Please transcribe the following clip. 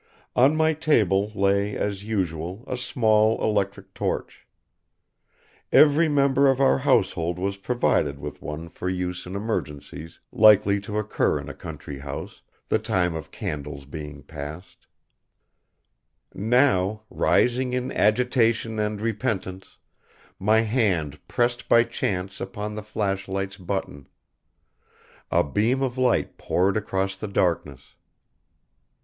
On my table lay, as usual, a small electric torch. Every member of our household was provided with one for use in emergencies likely to occur in a country house, the time of candles being past. Now, rising in agitation and repentance, my hand pressed by chance upon the flashlight's button. A beam of light poured across the darkness.